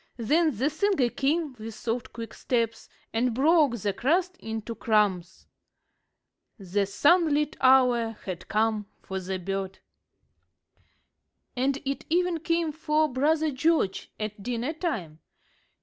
Then the singer came, with soft, quick steps, and broke the crust into crumbs. The sunlit hour had come for the bird. [Illustration: "Broke the crust."] And it even came for Brother George at dinner time.